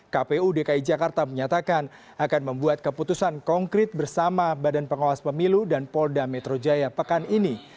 kpu dki jakarta menyatakan akan membuat keputusan konkret bersama badan pengawas pemilu dan polda metro jaya pekan ini